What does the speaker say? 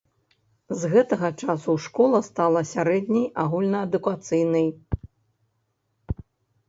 З гэтага часу школа стала сярэдняй агульнаадукацыйнай.